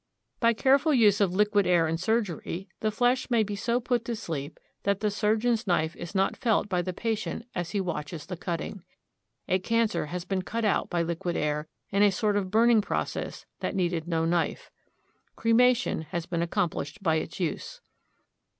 By careful use of liquid air in surgery, the flesh may be so put to sleep that the surgeon's knife is not felt by the patient as he watches the cutting. A cancer has been cut out by liquid air in a sort of burning process that needed no knife. Cremation has been accomplished by its use.